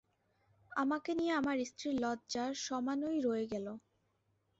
আমাকে নিয়ে আমার স্ত্রীর লজ্জা সমানই রয়ে গেল।